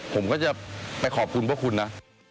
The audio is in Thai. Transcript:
ผมก็จะไปขอบคุณพวกคุณนะ